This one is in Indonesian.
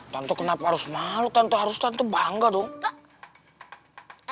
tante kenapa harus malu tante harus bangga tuh